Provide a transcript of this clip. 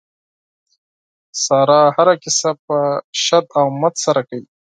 ساره هره کیسه په شد او مد سره کوي.